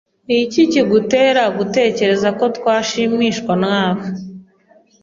Niki kigutera gutekereza ko twashimishwa nawe